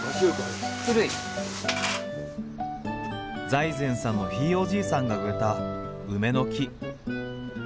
財前さんのひいおじいさんが植えた梅の木。